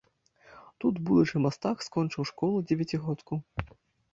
Тут будучы мастак скончыў школу-дзевяцігодку.